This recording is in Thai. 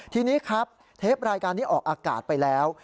ทีนี้ครับเทปรายการนี้ออกอากาศไปแล้ว